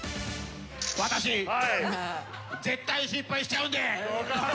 私絶対失敗しちゃうんで。